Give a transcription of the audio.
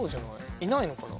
いないのかな。